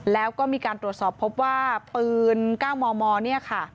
แล้วก็มีการตรวจสอบพบว่าปืน๙มมเนี่ยค่ะ